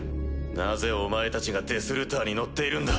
なぜお前たちがデスルターに乗っているんだ？